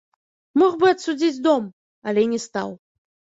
Мог бы адсудзіць дом, але не стаў.